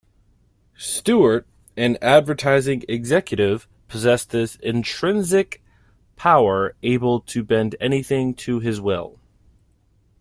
Stuart, an advertising executive, possesses intrinsic power, able to bend anything to his will.